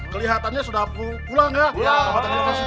kelihatannya sudah pulang gak